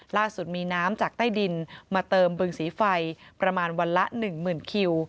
ล่าสุดมีน้ำจากใต้ดินมาเติมบึงสีไฟประมาณวันละ๑๐๐๐คิว